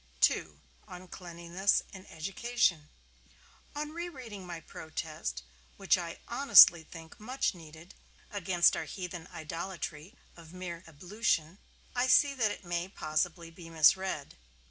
II. ON CLEANLINESS IN EDUCATION On re reading my protest, which I honestly think much needed, against our heathen idolatry of mere ablution, I see that it may possibly be misread.